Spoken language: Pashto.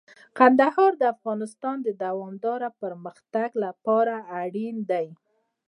کندهار د افغانستان د دوامداره پرمختګ لپاره اړین دي.